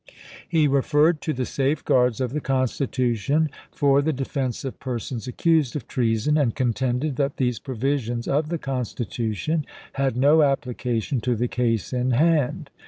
He referred to the safeguards of the Constitution for the defense of persons accused of treason, and contended that these provisions of the Constitution had no application to the case in hand.